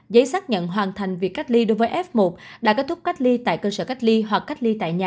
giấy xác nhận hoàn thành việc cách ly đối với f một đã kết thúc cách ly tại cơ sở cách ly hoặc cách ly tại nhà